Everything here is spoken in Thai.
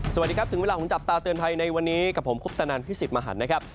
สวัสดีครับถึงเวลาของจับตาเตือนภัยในวันนี้กับผมคุปตนันพิสิทธิ์มหันนะครับ